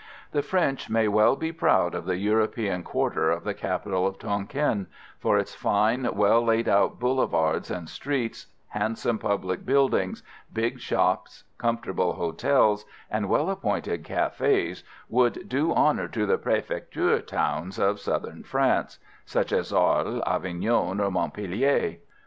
The French may well be proud of the European quarter of the capital of Tonquin, for its fine, well laid out boulevards and streets, handsome public buildings, big shops, comfortable hotels and well appointed cafés would do honour to the prèfecture towns of Southern France, such as Arles, Avignon, or Montpelier.